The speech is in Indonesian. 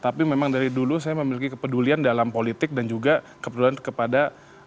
tapi memang dari dulu saya memiliki kepedulian dalam politik dan juga kepedulian kepada